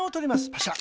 パシャ。